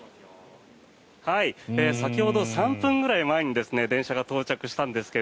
先ほど３分ぐらい前に電車が到着したんですが